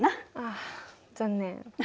あ残念。